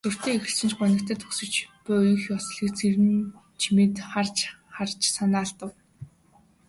Сүртэй эхэлсэн ч гунигтай төгсөж буй их ёслолыг Цэрэнчимэд харж харж санаа алдав.